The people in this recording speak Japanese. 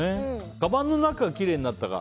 かばんの中がきれいになったか。